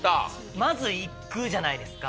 まずいくじゃないですか